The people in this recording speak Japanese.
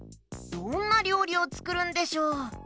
どんなりょうりをつくるんでしょう？